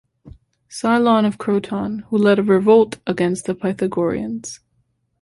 Cylon of Croton, who led a revolt against the Pythagoreans.